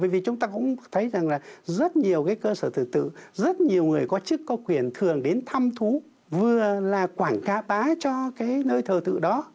vì chúng ta cũng thấy rằng là rất nhiều cái cơ sở thờ tự rất nhiều người có chức có quyền thường đến thăm thú vừa là quảng cáo bán cho cái nơi thờ tự đó